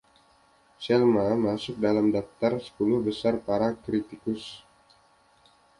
“Selma” masuk dalam daftar sepuluh besar para kritikus.